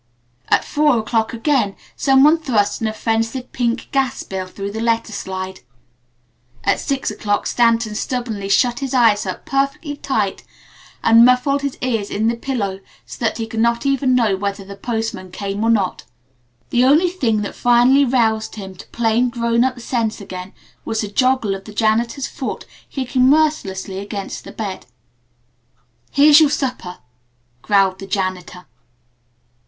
At four o'clock again someone thrust an offensive pink gas bill through the letter slide. At six o'clock Stanton stubbornly shut his eyes up perfectly tight and muffled his ears in the pillow so that he would not even know whether the postman came or not. The only thing that finally roused him to plain, grown up sense again was the joggle of the janitor's foot kicking mercilessly against the bed. "Here's your supper," growled the janitor.